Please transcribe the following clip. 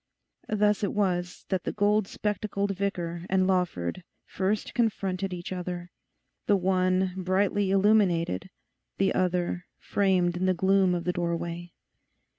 Thus it was that the gold spectacled vicar and Lawford first confronted each other, the one brightly illuminated, the other framed in the gloom of the doorway.